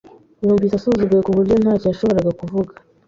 Yumvise asuzuguwe ku buryo ntacyo yashoboraga kuvuga .